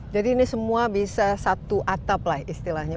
jadi ini semua bisa satu atap lah istilahnya